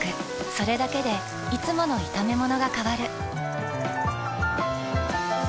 それだけでいつもの炒めものが変わる。